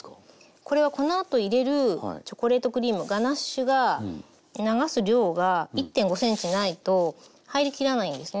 これはこのあと入れるチョコレートクリームガナッシュが流す量が１．５ｃｍないと入りきらないんですね。